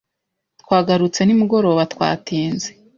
Twagarutse nimugoroba, twatinze.